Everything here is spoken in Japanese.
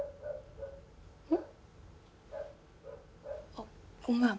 あっごめん。